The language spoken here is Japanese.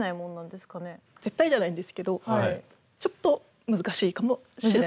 絶対じゃないんですけどちょっと難しいかもしれない。